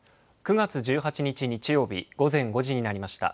９月１８日日曜日午前５時になりました。